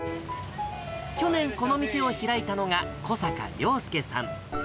去年、この店を開いたのが、小坂りょうすけさん。